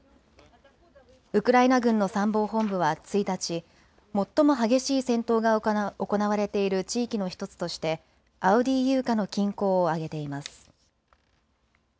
ウクライナ軍の参謀本部は１日、最も激しい戦闘が行われている地域の１つとしてアウディーイウカの近郊を挙げています。